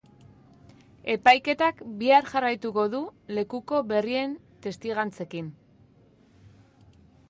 Epaiketak bihar jarraituko du lekuko berrien testigantzekin.